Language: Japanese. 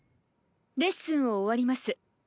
レッスンを終わります。